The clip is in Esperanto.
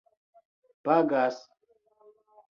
pagas